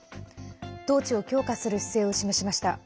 統治を強化する姿勢を示しました。